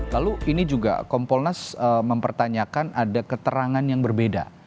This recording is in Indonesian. lalu ini juga kompolnas mempertanyakan ada keterangan yang berbeda